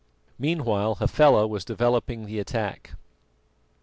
Meanwhile Hafela was developing the attack.